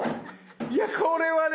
いやこれはね